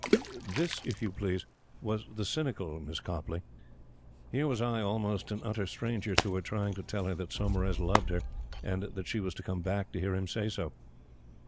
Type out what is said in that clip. This, if you please, was the cynical Miss Copleigh. Here was I, almost an utter stranger to her, trying to tell her that Saumarez loved her and she was to come back to hear him say so!